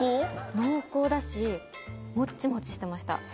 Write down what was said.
濃厚だしもっちもちしてました。